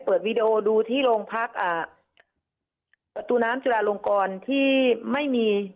วีดีโอดูที่โรงพักอ่าประตูน้ำจุลาลงกรที่ไม่มี